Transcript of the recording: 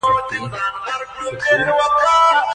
د قانون پلي کول د باور فضا رامنځته کوي